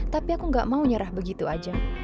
tapi aku gak mau nyerah begitu aja